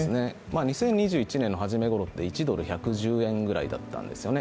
２０２１年の初め頃って、１ドル１１０円ぐらいだったんですよね。